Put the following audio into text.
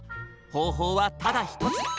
ほうほうはただひとつ！